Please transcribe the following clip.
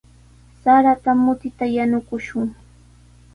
Sarata mutita yanukushun.